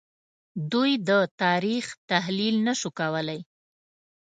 دوی د تاریخ تحلیل نه شو کولای